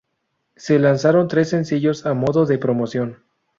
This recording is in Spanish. Se lanzaron tres sencillos a modo de promoción.